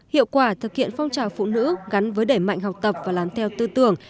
hiệu quả thực hiện phong trào phụ nữ gắn với đẩy mạnh học tập và làm theo tư tưởng